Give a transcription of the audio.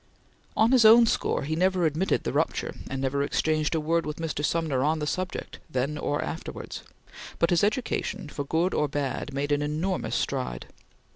On his own score, he never admitted the rupture, and never exchanged a word with Mr. Sumner on the subject, then or afterwards, but his education for good or bad made an enormous stride.